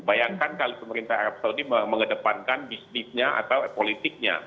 bayangkan kalau pemerintah arab saudi mengedepankan bisnisnya atau politiknya